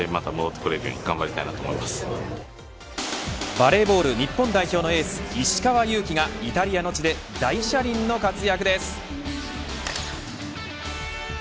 バレーボール日本代表のエース石川祐希がイタリアの地で大車輪の活躍です。